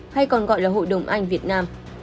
hay còn gọi là hội đồng anh việt nam